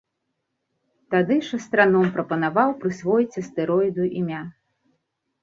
Тады ж астраном прапанаваў прысвоіць астэроіду імя.